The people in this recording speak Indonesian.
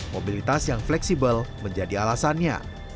mobilitas yang fleksibel menjadi alasannya